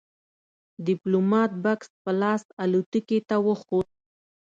ديپلومات بکس په لاس الوتکې ته وخوت.